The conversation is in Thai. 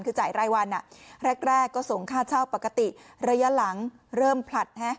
คือจ่ายรายวันแรกก็ส่งค่าเช่าปกติระยะหลังเริ่มผลัด